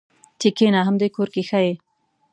چې کېنه همدې کور کې ښه یې.